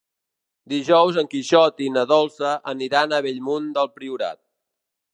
Dijous en Quixot i na Dolça aniran a Bellmunt del Priorat.